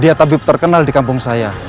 dia tabib terkenal di kampung saya